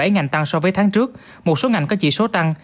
bảy ngành tăng so với tháng trước một số ngành có chỉ số tăng